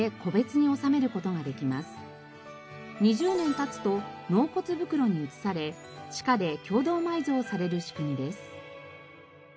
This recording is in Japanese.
２０年経つと納骨袋に移され地下で共同埋蔵される仕組みです。